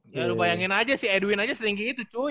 ya lu bayangin aja si edwin aja setinggi itu cuy